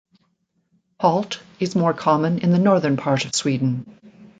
Palt is more common in the northern part of Sweden.